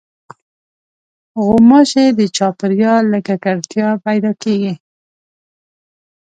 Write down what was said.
غوماشې د چاپېریال له ککړتیا پیدا کېږي.